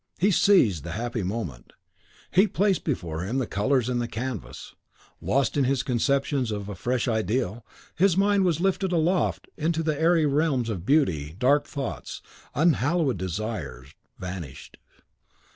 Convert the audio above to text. He seized the happy moment, he placed before him the colours and the canvas. Lost in his conceptions of a fresh ideal, his mind was lifted aloft into the airy realms of beauty; dark thoughts, unhallowed desires, vanished.